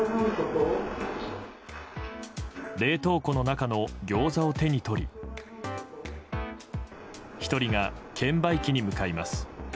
冷凍庫の中のギョーザを手に取り１人が、券売機に向かいます。